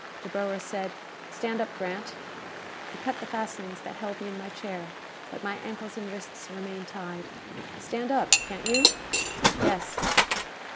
Dr. Boer said, "Stand up, Grant." He cut the fastenings that held me in my chair. But my ankles and wrists remained tied. "Stand up, can't you?" "Yes."